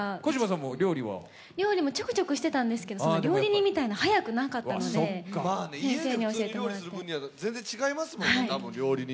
料理もちょこちょこしてたんですけれども、料理人みたいには速くなかったので先生に教えてもらって。